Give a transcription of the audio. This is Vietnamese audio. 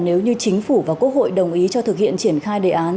nếu như chính phủ và quốc hội đồng ý cho thực hiện triển khai đề án